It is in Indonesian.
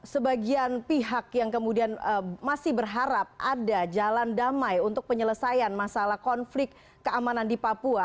sebagian pihak yang kemudian masih berharap ada jalan damai untuk penyelesaian masalah konflik keamanan di papua